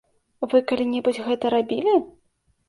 Вы калі-небудзь гэта рабілі?